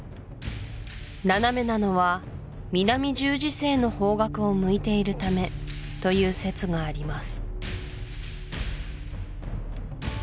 斜めなのは南十字星の方角を向いているためという説があります